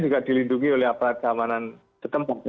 juga dilindungi oleh aparat keamanan setempat